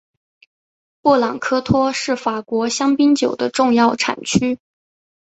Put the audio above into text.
布朗科托是法国香槟酒的重要产区。